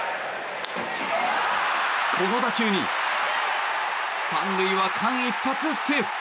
この打球に３塁は間一髪セーフ！